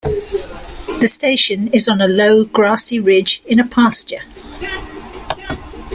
The station is on a low grassy ridge in a pasture.